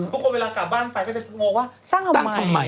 ทุกคนเวลากลับบ้านไปก็จะถึงโง่ว่าช่างทำไม